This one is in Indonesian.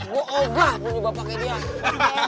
gue obah punya bapak kayak dia